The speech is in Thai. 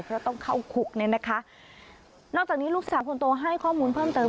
เพราะต้องเข้าคุกเนี่ยนะคะนอกจากนี้ลูกสาวคนโตให้ข้อมูลเพิ่มเติม